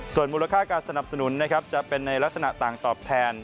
ส่วนมูลค่าการสนับสนุนนะครับจะเป็นในลักษณะต่างตอบแทน